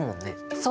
そう！